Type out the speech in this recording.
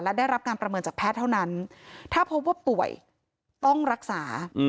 และได้รับการประเมินจากแพทย์เท่านั้นถ้าพบว่าป่วยต้องรักษา